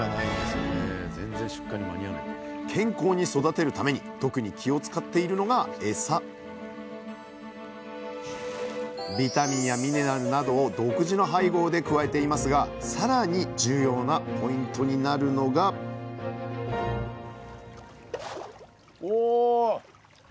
健康に育てるために特に気を遣っているのがエサビタミンやミネラルなどを独自の配合で加えていますがさらに重要なポイントになるのがお。